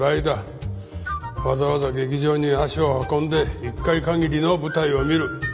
わざわざ劇場に足を運んで１回限りの舞台を見る。